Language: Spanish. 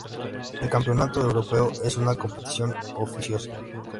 El Campeonato Europeo es una competición oficiosa.